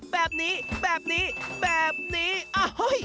แบบนี้แบบนี้แบบนี้อ้าวเฮ้ย